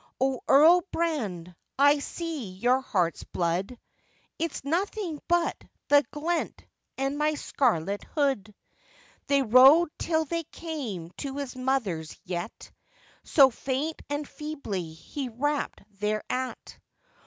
'O, Earl Brand, I see your heart's blood!' 'It's nothing but the glent and my scarlet hood.' They rode till they came to his mother's yett, So faint and feebly he rapped thereat.